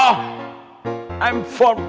lu gak perlu pakai biasa kok kayak